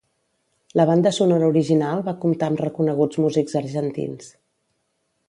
La banda sonora original va comptar amb reconeguts músics argentins.